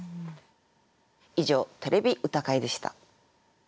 以上「てれび歌会」でした。